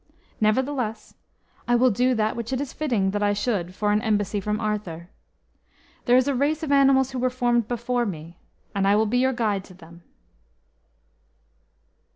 Nevertheless, I will do that which it is fitting that I should for an embassy from Arthur. There is a race of animals who were formed before me, and I will be your guide to them."